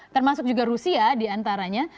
termasuk juga rusia diantaranya